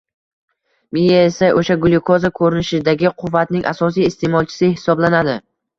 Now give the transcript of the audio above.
Miya esa o‘sha glyukoza ko‘rinishidagi quvvatning asosiy iste’molchisi hisoblanadi.